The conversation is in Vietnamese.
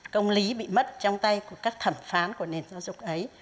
công lý bị mất trong tay của các thẩm phán của nền giáo dục ấy